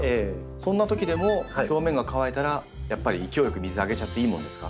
そんなときでも表面が乾いたらやっぱり勢いよく水あげちゃっていいもんですか？